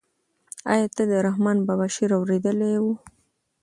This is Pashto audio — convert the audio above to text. آیا تا د رحمان بابا شعر اورېدلی و؟